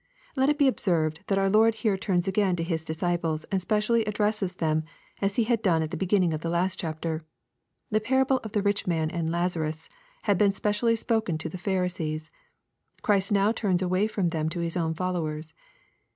'] Let it be observed* that our Lord here turns agaiu to His disciples and specially addresses them, as He had done at the beginning of the last chapter. The parable of the rich man and Lazarus had been specially spoken to the Pharisees. Christ now turns away from them to His own followers.